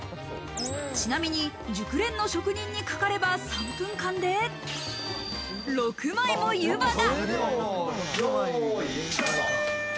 ちなみに熟練の職人にかかれば３分間で６枚もゆばが。